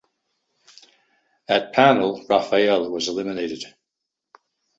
At panel Raphael was eliminated.